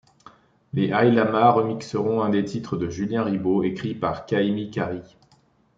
Les High Llamas remixeront un des titres de Julien Ribot écrits pour Kahimi Karie.